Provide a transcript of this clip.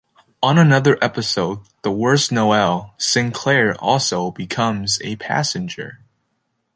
On another episode, "The Worst Noel", Synclaire also becomes a passenger.